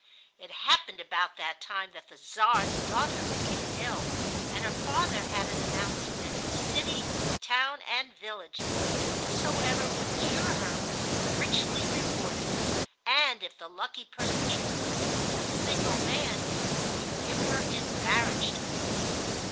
It happened about that time that the Czar's daughter became ill, and her father had it announced in every city, town, and village that whosoever would cure her would be richly rewarded; and if the lucky person should prove to be a single man he would give her in marriage to him.